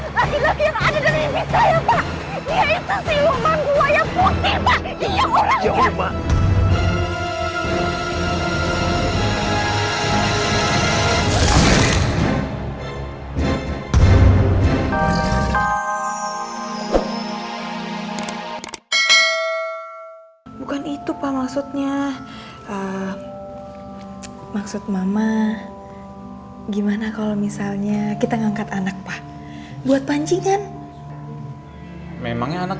sampai jumpa di video selanjutnya